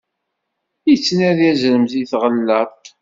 Ittnadi azrem di tɣalaṭ.